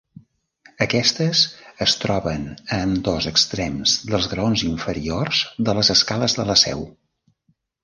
Aquestes es troben a ambdós extrems dels graons inferiors de les escales de la Seu.